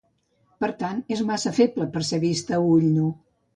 Per tant, és massa feble per ser vista a ull nu.